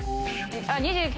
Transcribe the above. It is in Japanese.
あっ２８。